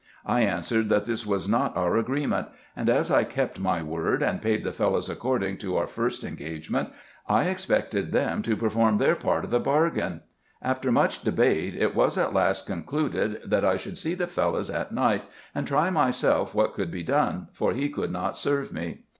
I answered, that this was not our agreement ; and, as I kept my word, and paid the Fellahs according to our first engagement, I expected them to perform their part of the bargain. After much 96 RESEARCHES AND OPERATIONS debate, it Avas at last concluded, that I should see the Fellahs at night, and try myself what could be done, for he could not serve me.